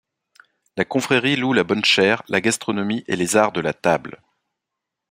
La Confrérie loue la bonne chère, la gastronomie et les arts de la table.